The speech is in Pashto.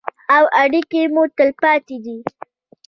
او اړیکې مو تلپاتې دي.